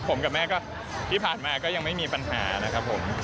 ผมกับแม่ก็ที่ผ่านมาก็ยังไม่มีปัญหานะครับผม